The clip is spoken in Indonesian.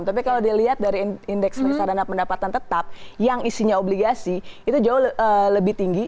tapi kalau dilihat dari indeks reksadana pendapatan tetap yang isinya obligasi itu jauh lebih tinggi